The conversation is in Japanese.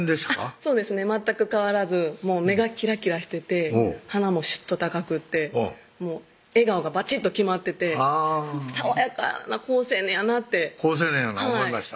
そうですね全く変わらず目がキラキラしてて鼻もしゅっと高くって笑顔がバチッと決まっててあぁ爽やかな好青年やなって好青年やな思いました